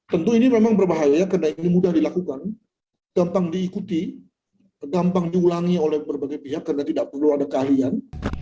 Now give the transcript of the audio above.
tentu ini memang berbahaya karena ini mudah dilakukan gampang diikuti gampang diulangi oleh berbagai pihak karena tidak perlu ada keahlian